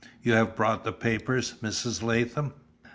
You have brought the papers, Mrs. Latham?"